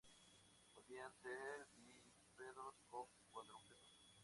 Podían ser bípedos o cuadrúpedos.